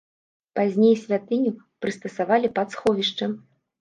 Пазней святыню прыстасавалі пад сховішча.